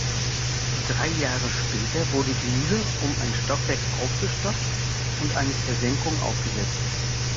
Drei Jahre später wurde die Mühle um ein Stockwerk aufgestockt und eine Versenkung aufgesetzt.